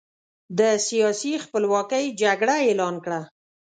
د سیاسي خپلواکۍ جګړه اعلان کړه.